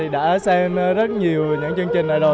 đã xem rất nhiều những chương trình này rồi